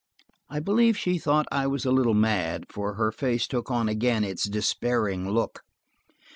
I believe she thought I was a little mad, for her face took on again its despairing look.